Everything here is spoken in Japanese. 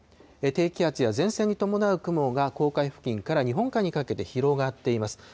低気圧や前線に伴う雲が黄海付近から日本海にかけて広がっています。